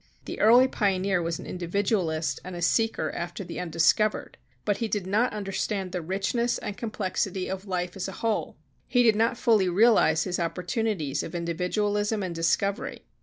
The early pioneer was an individualist and a seeker after the undiscovered; but he did not understand the richness and complexity of life as a whole; he did not fully realize his opportunities of individualism and discovery.